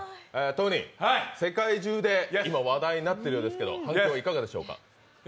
トニー、世界中で今話題になっているようですけど、反響はいかがでしょうか？